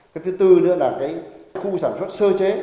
cái thứ tư nữa là cái khu sản xuất sơ chế